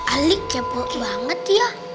ali kepo banget ya